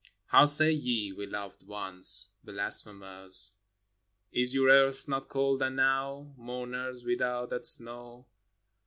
How say ye, "We loved once" Blasphemers ? Is your earth not cold enow, Mourners, without that snow